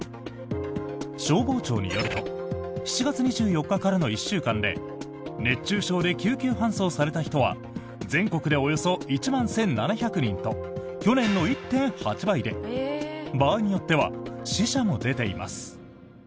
消防庁によると７月２４日からの１週間で熱中症で救急搬送された人は全国でおよそ１万１７００人と去年の１．８倍で場合によっては死者も出ています。